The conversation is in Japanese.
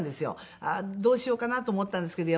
どうしようかなと思ったんですけど